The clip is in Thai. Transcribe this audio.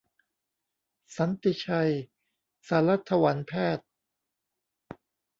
สันติชัย สารถวัลย์แพศย์